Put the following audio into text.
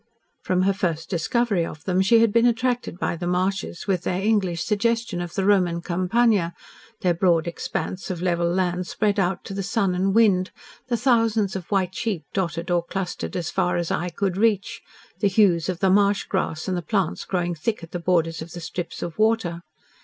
From her first discovery of them, she had been attracted by the marshes with their English suggestion of the Roman Campagna, their broad expanse of level land spread out to the sun and wind, the thousands of white sheep dotted or clustered as far as eye could reach, the hues of the marsh grass and the plants growing thick at the borders of the strips of water.